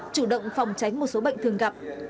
chủ động phòng tránh một số bệnh thường gặp